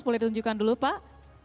boleh ditunjukkan dulu pak